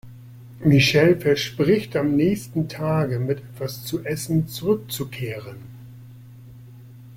Michele verspricht am nächsten Tage mit etwas zu essen zurückzukehren.